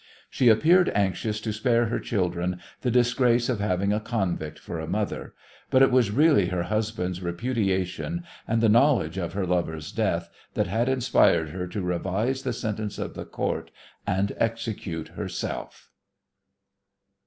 She appeared anxious to spare her children the disgrace of having a convict for a mother, but it was really her husband's repudiation and the knowledge of her lover's death that had inspired her to revise the sentence of the Court and execute herself.